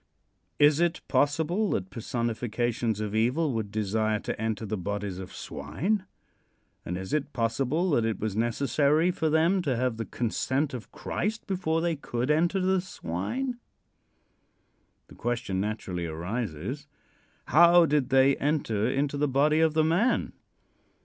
Is it possible that personifications of evil would desire to enter the bodies of swine, and is it possible that it was necessary for them to have the consent of Christ before they could enter the swine? The question naturally arises: How did they enter into the body of the man?